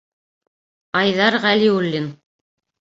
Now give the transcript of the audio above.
Айҙар ҒӘЛИУЛЛИН: